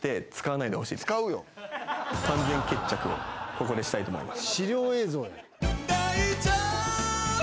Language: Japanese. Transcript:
ここでしたいと思います。